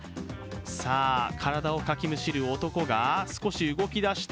さあ、体をかきむしる男が少し動き出した。